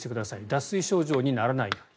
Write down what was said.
脱水症状にならないように。